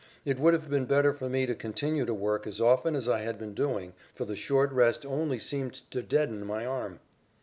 It would have been better for me to continue to work as often as I had been doing, for the short rest only seemed to deaden my arm.